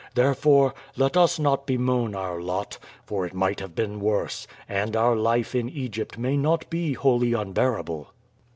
Therefore, let us not bemoan our lot, for it might have been worse, and our life in Egypt may not be wholly unbearable."